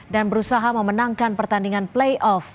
dan berusaha memenangkan pertandingan playoff